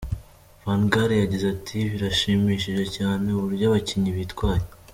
Van Gaal yagize ati:” Birashimishije cyane uburyo abakinnyi bitwaye.